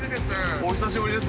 お久しぶりです。